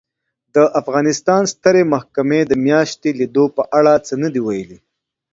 د افغانستان سترې محکمې د میاشتې لیدو په اړه څه نه دي ویلي